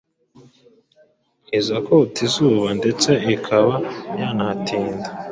iza kota izuba ndetse ikaba yanahatinda